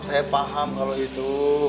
saya paham kalau itu